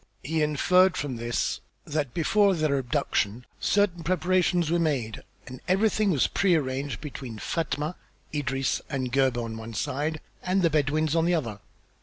He inferred from this that, before their abduction, certain preparations were made and everything was pre arranged between Fatma, Idris, and Gebhr on one side and the Bedouins on the other.